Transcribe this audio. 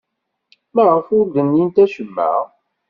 Maɣef ur d-nnint acemma?